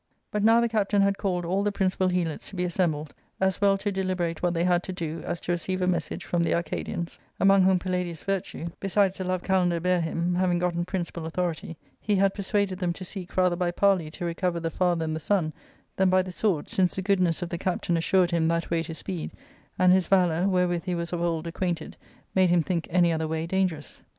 But now the captain had called all the principal Helots to be assembled, as well to deliberate what they had to do as to receive a message from the Arcadians, among whom Pal ladius' virtue, besides the love Kalander^ bare him, having gotten principal authority, he had persuaded them to seek rather by parley to recover the father and the son than by the sword, since the goodness of the captain assured him that way to speed, and his valour, wherewith he was of old acquainted, made him think any other way dangerous.